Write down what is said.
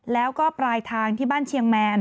แล้วก็ปลายทางที่บ้านเชียงแมน